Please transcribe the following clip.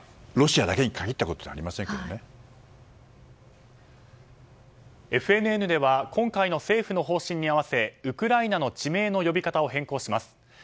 ロシアだけに限ったことではＦＮＮでは今回の政府の方針に合わせウクライナの地名の呼び方を変更します。